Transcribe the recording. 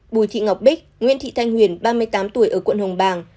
bùi thị ngọc bích nguyễn thị thanh huyền ba mươi tám tuổi ở quận hùng bang